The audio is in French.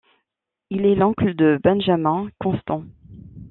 Il est l'oncle de Benjamin Constant.